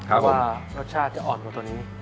แล้วก็รสชาติจะอ่อนกว่าตัวนี้